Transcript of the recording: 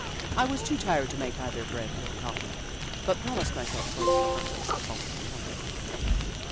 I was too tired to make either bread or coffee, but promised myself both for breakfast the following morning.